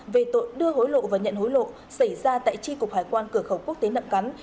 về tội đưa hối lộ và nhận hối lộ xảy ra tại tri cục hải quan cửa khẩu quốc tế nậm cắn